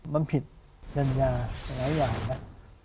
มันผิดกัญญาหลายอย่างแล้ว